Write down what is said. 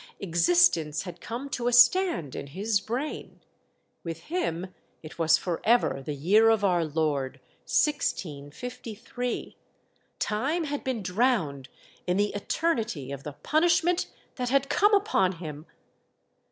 Existence had come to a stand in his brain ; with him it was for ever the year of our Lord 1653 ; time had been drowned in the eternity of the punish ment that had come upon him